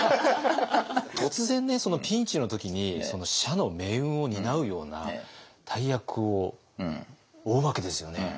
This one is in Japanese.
突然ピンチの時に社の命運を担うような大役を負うわけですよね。